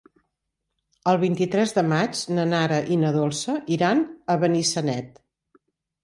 El vint-i-tres de maig na Nara i na Dolça iran a Benissanet.